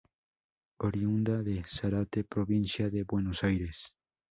Oriunda de Zárate, Provincia de Buenos Aires.